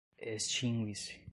extingue-se